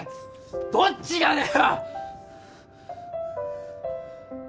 どっちがだよ！